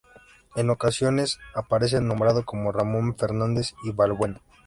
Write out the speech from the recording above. En ocasiones aparece nombrado como Ramón Fernández y Balbuena.